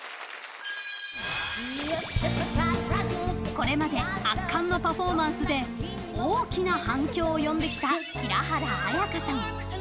これまで圧巻のパフォーマンスで大きな反響を呼んできた平原綾香さん。